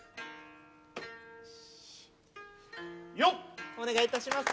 よっお願いいたします